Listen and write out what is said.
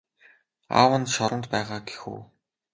Аав нь шоронд байгаа гэх үү?